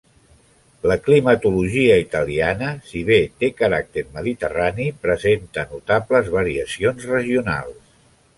La climatologia italiana, si bé té caràcter mediterrani, presenta notables variacions regionals.